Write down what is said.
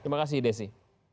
terima kasih desi